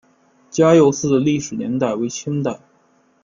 嘉佑寺的历史年代为清代。